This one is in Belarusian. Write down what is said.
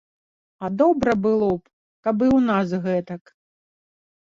А добра б было, каб і ў нас гэтак.